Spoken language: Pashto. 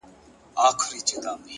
د تجربې درس تر نصیحت ژور وي.